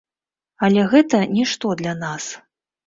Але гэта нішто для нас.